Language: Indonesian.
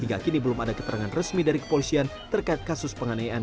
hingga kini belum ada keterangan resmi dari kepolisian terkait kasus penganiayaan